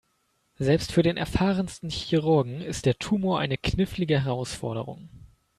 Selbst für den erfahrensten Chirurgen ist der Tumor eine knifflige Herausforderung.